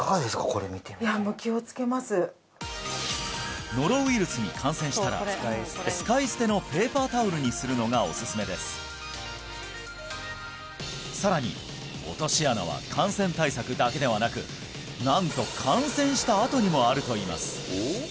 これ見ていやもう気をつけますノロウイルスに感染したら使い捨てのペーパータオルにするのがおすすめですさらに落とし穴は感染対策だけではなくなんと感染したあとにもあるといいます